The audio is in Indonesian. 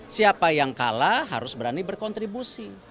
siapa yang kalah harus berani berkontribusi